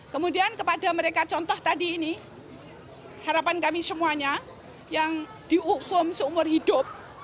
kemudian kepada mereka contoh tadi ini harapan kami semuanya yang dihukum seumur hidup